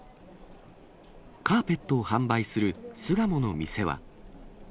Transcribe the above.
カーペットを販売する巣鴨の店は。